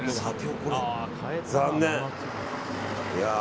残念。